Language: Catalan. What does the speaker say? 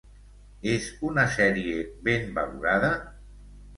És una sèrie ben valorada?